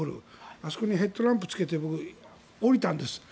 あそこにヘッドランプをつけて下りたんです。